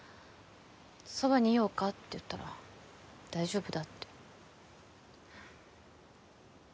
そばにいようかって言ったら大丈夫だって。